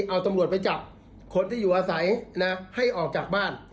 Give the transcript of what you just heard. เอาตำรวจไปจับคนที่อยู่อาศัยให้ออกจากบ้าน